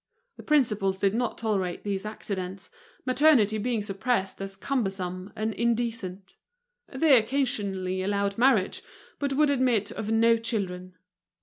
The principals did not tolerate these accidents, maternity being suppressed as cumbersome and indecent; they occasionally allowed marriage, but would admit of no children.